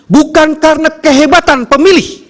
bukan karena kehebatan pemilih